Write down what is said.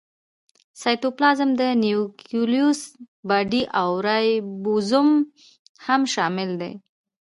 سایټوپلازم، نیوکلیوس باډي او رایبوزوم هم شامل دي.